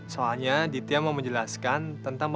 soalnya ditia mau menjelaskan tentang bahwa